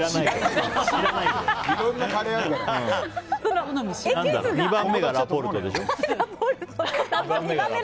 いろんなカレーあるから。